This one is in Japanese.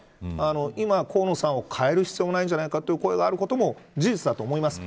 今、河野さんを変える必要がないんじゃないかという声があることも事実だと思います。